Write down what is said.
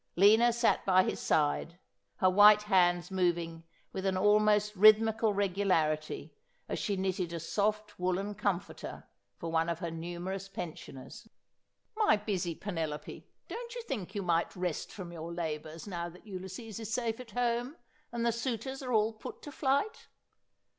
Lina sat by his side, her white hands moving with an almost rhythmical regularity as she 'Yeve Me my Deth, or that I have a Shame' 129 knitted a soft woollen comforter for one of her numerous pen sioners. ' My busy Penelope, don't you think you might rest from your labours now that Ulysses is safe at home, and the suitors are all put to flight